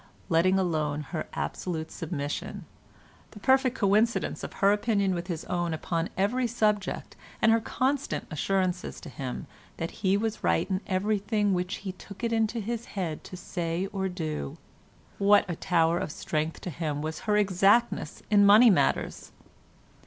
Letting alone her absolute submission, the perfect coincidence of her opinion with his own upon every subject and her constant assurances to him that he was right in everything which he took it into his head to say or do, what a tower of strength to him was her exactness in money matters!